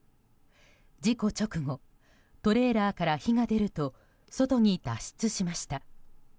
事故直後トレーラーから火が出ると外に脱出しました。